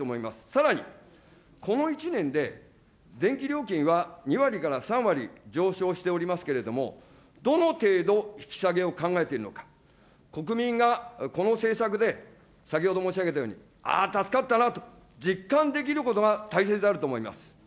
さらにこの１年で電気料金は２割から３割上昇しておりますけれども、どの程度引き下げを考えているのか、国民がこの政策で、先ほど申し上げたように、ああ、助かったなと実感できることが大切であると思います。